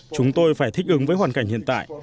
chúng tôi phải thích ứng với hoàn cảnh hiện tại